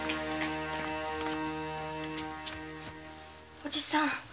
おじさん